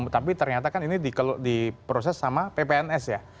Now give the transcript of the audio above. tapi ternyata kan ini diproses sama ppns ya